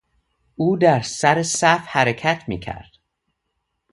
او در سر صف حرکت میکرد.